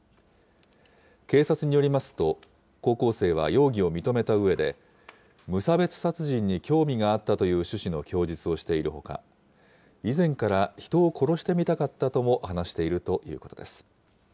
警察によりますと、高校生は容疑を認めたうえで、無差別殺人に興味があったという趣旨の供述をしているほか、以前から人を殺してみたかったとも話しているということです。